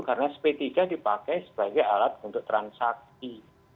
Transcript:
karena sp tiga dipakai sebagai alat untuk transaksi